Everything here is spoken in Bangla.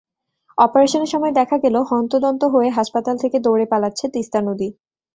অপারেশনের সময় দেখা গেল হন্তদন্ত হয়ে হাসপাতাল থেকে দৌড়ে পালাচ্ছে তিস্তা নদী।